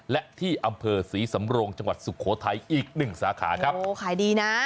และที่อำเภอศรีสำโรงจังหวัดสุโขทัยอีกหนึ่งสาขาครับโอ้ขายดีนะ